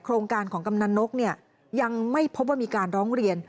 โครงการของกำนันนกยังไม่พบว่ามีการร้องเรียน